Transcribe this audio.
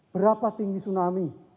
berapa tinggi tsunami